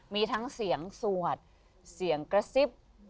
มีทั้งเสียงสวดเสียงกระซิบ